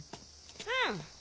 うん。